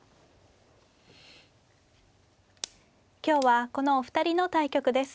今日はこのお二人の対局です。